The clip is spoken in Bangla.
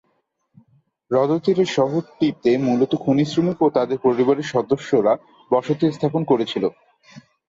হ্রদ তীরের শহরটিতে মূলত খনি শ্রমিক ও তাদের পরিবারের সদস্যরা বসতি স্থাপন করেছিল।